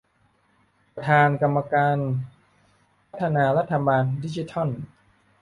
ประธานกรรมการพัฒนารัฐบาลดิจิทัล